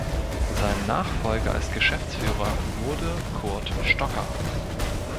Sein Nachfolger als Geschäftsführer wurde Kurt Stocker.